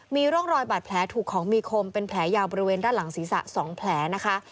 มีร่องรอยบาดแผลถูกของมีคมเป็นแผลยาวบริเวณด้านหลังศีรษะ๒แผลนะคะ